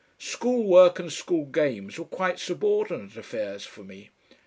School work and school games were quite subordinate affairs for me.